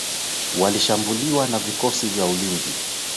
walishambuliwa na vikosi vya ulinzi